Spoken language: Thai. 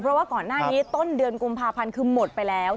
เพราะว่าก่อนหน้านี้ต้นเดือนกุมภาพันธ์คือหมดไปแล้ว